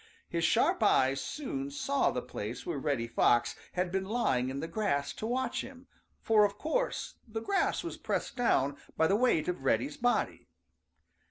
His sharp eyes soon saw the place where Reddy Fox had been lying in the grass to watch him, for of course the grass was pressed down by the weight of Reddy's body.